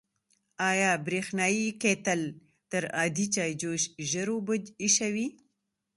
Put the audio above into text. آیا برېښنایی کیتل تر عادي چایجوش ژر اوبه ایشوي؟